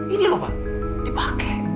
ini loh pak dipakai